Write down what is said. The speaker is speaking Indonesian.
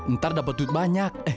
ntar dapat duit banyak